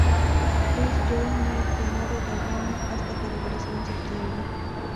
Chris Joyner llenado de Rami, hasta que regresó en septiembre.